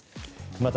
また、